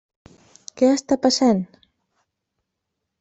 Què està passant?